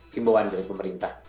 keimbauan dari pemerintah